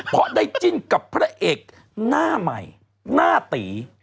เพราะได้จิ้นกับพระเอกหน้าใหม่หน้าตี